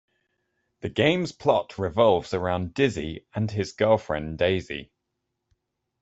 The game's plot revolves around Dizzy and his girlfriend Daisy.